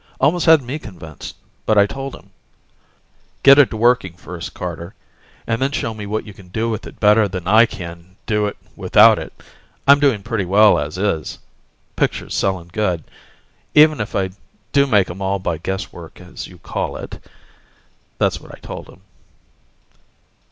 Almost had me convinced, but I told him, "Get it to working first, Carter, and then show me what you can do with it better than I can do without it. I'm doing pretty well as is ... pictures selling good, even if I do make 'em all by guesswork, as you call it." That's what I told him.